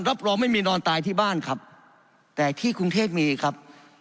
รับรองไม่มีนอนตายที่บ้านครับแต่ที่กรุงเทพมีครับ